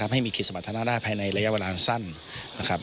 ให้มีคิดสมรรถนะภายในระยะเวลาน่ายซัน